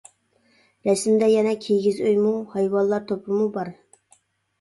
رەسىمدە يەنە كىگىز ئۆيمۇ، ھايۋانلار توپىمۇ بار.